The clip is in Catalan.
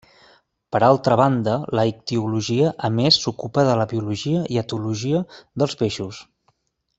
Per altra banda la ictiologia a més s'ocupa de la biologia i etologia dels peixos.